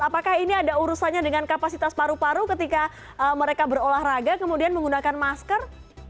apakah ini ada urusannya dengan kapasitas paru paru ketika mereka berolahraga kemudian menggunakan masker